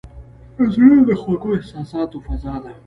زړه د خوږو احساساتو فضا ده.